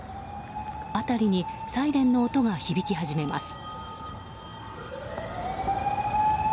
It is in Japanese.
辺りにサイレンの音が響き始めます。